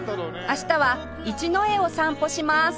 明日は一之江を散歩します